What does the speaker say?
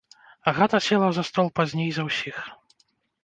Агата села за стол пазней за ўсіх.